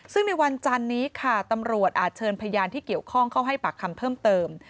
ซึ่งในวันจันนี้ค่ะตำรวจอาจเชิญพยานที่เกี่ยวข้องเข้าให้ปากคำเพิ่มเติม